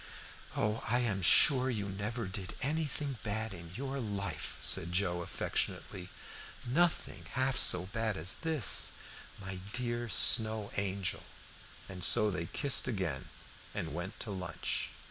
"Oh, I am sure you never did anything bad in your life," said Joe affectionately. "Nothing half so bad as this my dear Snow Angel!" And so they kissed again and went to lunch.